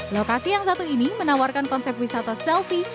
lokasi yang satu ini menawarkan konsep wisata selfie